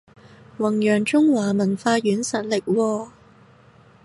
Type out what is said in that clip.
弘揚中華文化軟實力喎